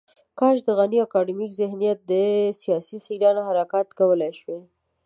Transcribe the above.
کاش د غني اکاډمیک ذهنیت د سياست خیرن حرکات کولای شوای.